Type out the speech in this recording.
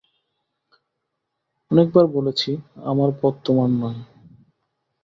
অনেকবার বলেছি আমার পথ তোমার নয়।